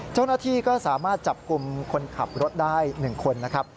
เจ้าหน้าที่ก็สามารถจับกลุ่มคนขับรถได้๑คนนะครับ